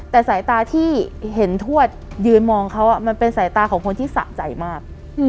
แต่สายตาที่เห็นทวดยืนมองเขามันเป็นสายตาของคนที่สะใจมาก